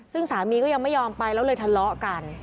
ซึ่งสามีก็ยังไม่ยอมไปแล้วเลยทะเลาะกัน